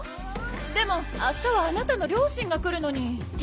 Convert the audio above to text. でも明日はあなたの両親が来るのに。